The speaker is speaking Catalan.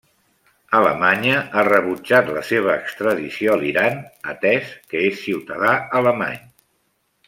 Alemanya ha rebutjat la seva extradició a l'Iran, atès que és ciutadà alemany.